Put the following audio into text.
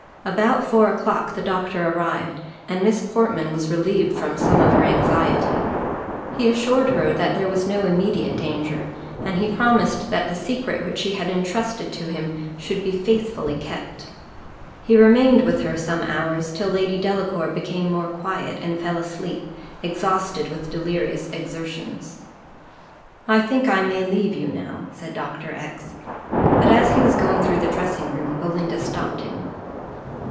About four o'clock the doctor arrived, and Miss Portman was relieved from some of her anxiety. He assured her that there was no immediate danger, and he promised that the secret which she had entrusted to him should be faithfully kept. He remained with her some hours, till Lady Delacour became more quiet and fell asleep, exhausted with delirious exertions. "I think I may now leave you," said Dr. X ; but as he was going through the dressing room, Belinda stopped him.